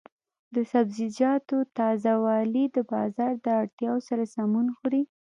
د سبزیجاتو تازه والي د بازار د اړتیا سره سمون خوري.